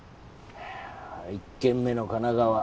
一件目の神奈川